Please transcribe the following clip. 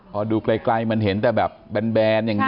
พอดูไกลมันเห็นแต่แบบแบนอย่างนี้